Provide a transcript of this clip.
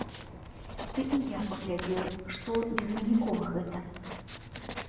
Ды і я паглядзеў, што безвынікова гэта.